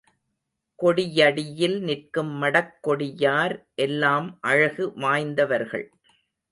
கொடியடியில் நிற்கும் மடக் கொடியார் எல்லாம் அழகு வாய்ந்தவர்கள்.